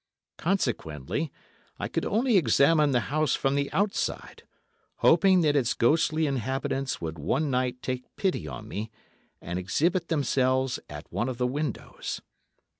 Consequently I could only examine the house from the outside, hoping that its ghostly inhabitants would one night take pity on me and exhibit themselves at one of the windows.